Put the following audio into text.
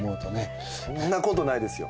そんなことないですよ。